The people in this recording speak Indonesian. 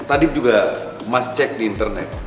tadi juga mas cek di internet